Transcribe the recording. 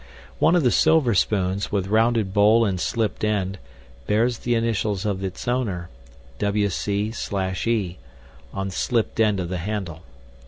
One of the silver spoons, with rounded bowl and slipped end, bears the initials of its owner, "WC/E," on the slipped end of the handle.